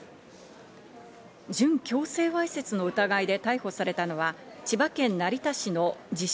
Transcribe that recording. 準強制わいせつの疑いで逮捕されたのは千葉県成田市の自称